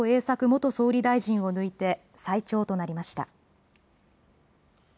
元総理大臣を抜いて最長となりました。